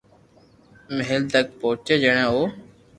مھل تڪ پوچي جڻي او